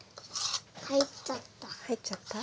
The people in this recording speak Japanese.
入っちゃった。